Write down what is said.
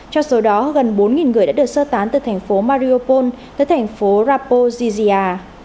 trong số đó gần bốn người đã được sơ tán từ thành phố mariupol tới thành phố raposizia